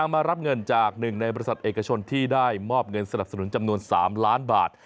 มอบเงินสนับสนุนจำนวน๓ล้านบาท